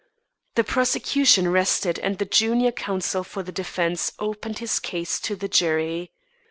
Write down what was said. The prosecution rested and the junior counsel for the defence opened his case to the jury.